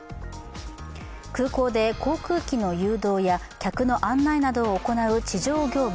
空港で、航空機の誘導や客の案内などを行う地上業務